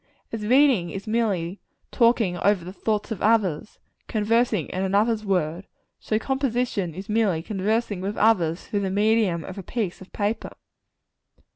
As reading is merely talking over the thoughts of others conversing in another's words so composition is merely conversing with others through the medium of a piece of paper.